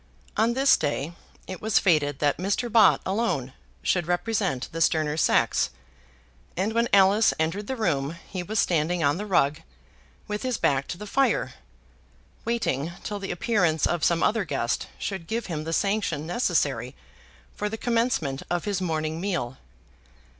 On this day it was fated that Mr. Bott alone should represent the sterner sex, and when Alice entered the room he was standing on the rug with his back to the fire, waiting till the appearance of some other guest should give him the sanction necessary for the commencement of his morning meal.